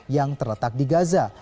yang terletak di gaza